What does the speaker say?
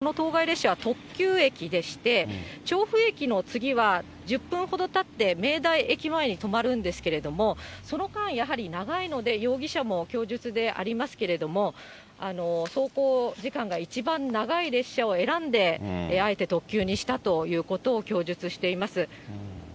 事件はこの当該列車は、特急駅でして、調布駅の次は１０分ほどたって明大駅前に止まるんですけれども、その間、やはり長いので容疑者も供述でありますけれども、走行時間が一番長い列車を選んで、あえて特急にしたということを供述しています。